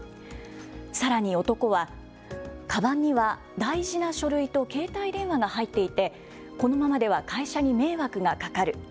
さらに男は、かばんには大事な書類と携帯電話が入っていてこのままでは会社に迷惑がかかる。